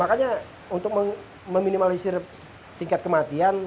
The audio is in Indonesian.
makanya untuk meminimalisir tingkat kematian